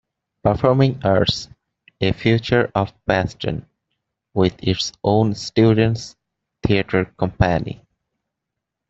Performing Arts are a feature of Paston with its own student theatre company.